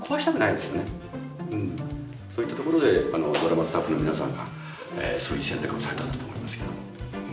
そういったところでドラマスタッフの皆さんがそういう選択をされたんだと思いますけど。